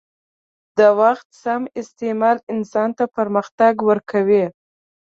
د وخت سم استعمال انسان ته پرمختګ ورکوي.